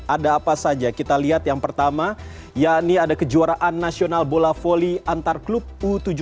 ada apa saja kita lihat yang pertama yakni ada kejuaraan nasional bola volley antar klub u tujuh belas